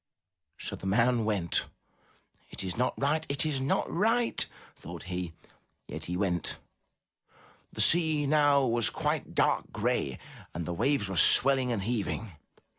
'* So the man went. "It is not right! It is not right!'* thought he, yet he went. The sea now was quite dark gray and the waves were swelling and heaving.